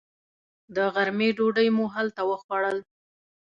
د غرمې ډوډۍ مو هلته وخوړل.